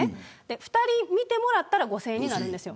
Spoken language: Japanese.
２人見てもらったら５０００円になるんです。